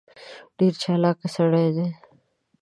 ډېر چالاک سړی دی.